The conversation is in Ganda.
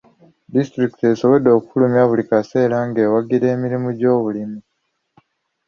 Disitulikiti esobodde okufulumya buli kaseera ng'ewagira emirimu gy'obulimi.